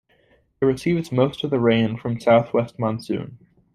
It receives most of the rain from Southwest Monsoon.